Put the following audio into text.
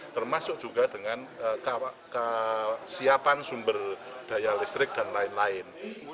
termasuk juga dengan kesiapan sumber daya listrik dan lain lain